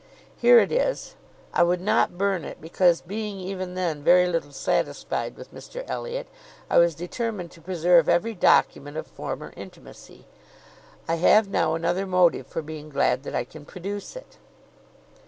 Here it is; I would not burn it, because being even then very little satisfied with Mr Elliot, I was determined to preserve every document of former intimacy. I have now another motive for being glad that I can produce it."